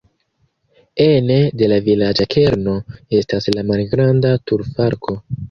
Ene de la vilaĝa kerno estas la malgranda turfalko.